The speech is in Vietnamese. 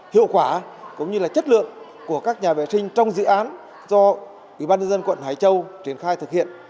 hiệu quả cũng như là chất lượng của các nhà vệ sinh trong dự án do ủy ban nhân dân quận hải châu triển khai thực hiện